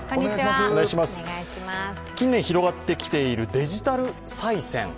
近年広がってきているデジタルさい銭。